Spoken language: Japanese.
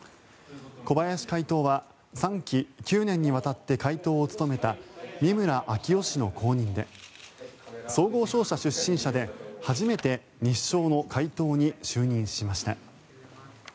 小林会頭は３期９年にわたって会頭を務めた三村明夫氏の後任で総合商社出身者で初めて日商の会頭に就任しました。